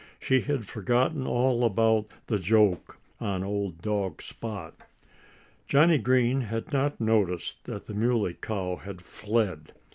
She had forgotten all about the joke on old dog Spot. Johnnie Green had not noticed that the Muley Cow had fled.